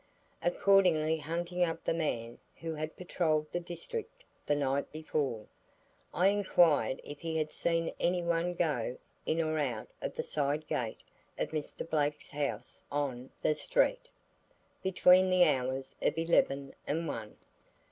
Accordingly hunting up the man who had patrolled the district the night before, I inquired if he had seen any one go in or out of the side gate of Mr. Blake's house on street, between the hours of eleven and one.